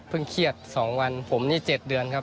เพิ่งเครียดสองวันก็พันธุ์นี้นี่เจ็ดเดือนครับ